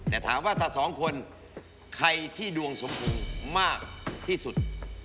แต่ถามว่าถ้าสองคนใครที่ดวงสมพงษ์มากที่สุด